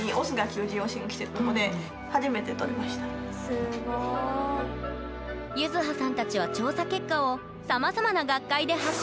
すごい。ゆずはさんたちは調査結果をさまざまな学会で発表。